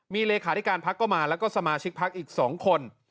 มีเลขาธิการพักก็มาแล้วก็สมาชิกพักอีก๒คน